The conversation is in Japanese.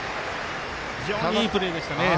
非常にいいプレーでしたね。